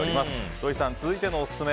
土井さん、続いてのオススメ